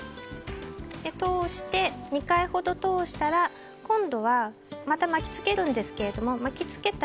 ２回ほど通したら今度は、また巻きつけるんですが巻きつけた